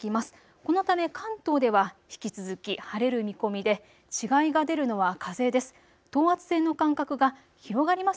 このため関東では引き続き晴れる見込みで違いが出るのは風です。